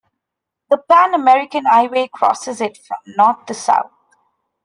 The Pan-American Highway crosses it from North to South.